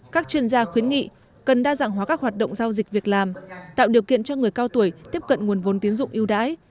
các chuyên gia khuyến nghị cần đa dạng hóa các hoạt động giao dịch việc làm tạo điều kiện cho người cao tuổi tiếp cận nguồn vốn tiến dụng yêu đái